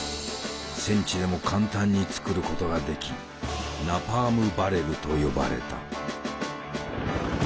戦地でも簡単に作ることができ「ナパーム・バレル」と呼ばれた。